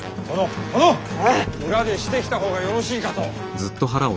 裏でしてきた方がよろしいかと。